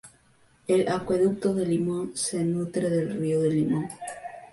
El acueducto del limón se nutre del río del limón.